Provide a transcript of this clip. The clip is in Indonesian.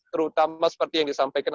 terutama seperti yang disampaikan